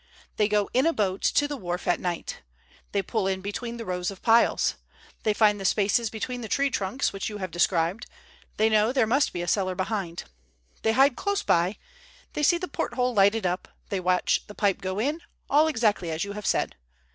They go in a boat to the wharf at night. They pull in between the rows of piles. They find the spaces between the tree trunks which you have described. They know there must be a cellar behind. They hide close by; they see the porthole lighted up; they watch the pipe go in, all exactly as you have said.